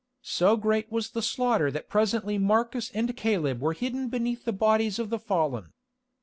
So great was the slaughter that presently Marcus and Caleb were hidden beneath the bodies of the fallen.